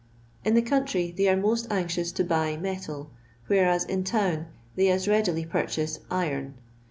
Ln the country they are most anxious to buy " metal ; whereas, in town, they as readily porehasa "iron."